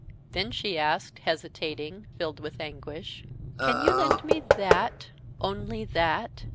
Then she asked, hesitating, filled with anguish: "Can you lend me that, only that?"